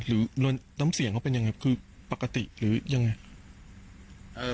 หรือน้ำเสียงเขาเป็นยังไงคือปกติหรือยังไง